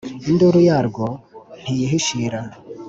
induru yarwo ntiyihishira